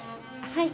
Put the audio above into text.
はい。